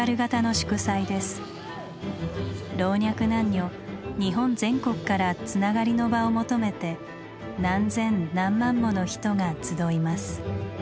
老若男女日本全国から「つながり」の場を求めて何千何万もの人が集います。